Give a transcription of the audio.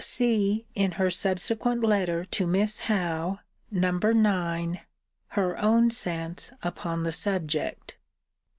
See, in her subsequent Letter to Miss Howe, No. IX., her own sense upon the subject.